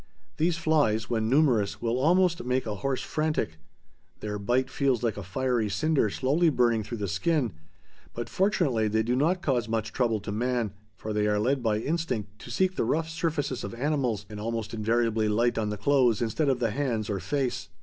These flies, when numerous, will almost make a horse frantic. Their bite feels like a fiery cinder slowly burning through the skin, but fortunately they do not cause much trouble to man, for they are led by instinct to seek the rough surfaces of animals and almost invariably light on the clothes instead of the hands or face.